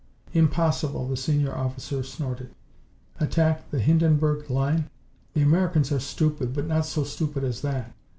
"Impossible!" the senior officer snorted. "Attack the Hindenburg Line? The Americans are stupid, but not so stupid as that.